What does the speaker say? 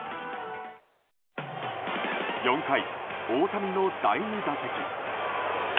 ４回、大谷の第２打席。